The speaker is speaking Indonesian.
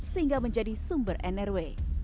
sehingga menjadi sumber nrw